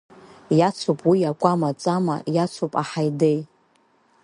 Иацуп уи акәама-ҵама, иацуп аҳаи-деи.